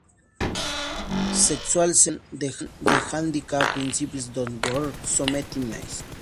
Sexual selection: The handicap principle does work sometimes.